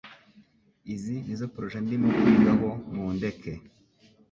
izi nizo proje ndimo kwiga ho mu ndeke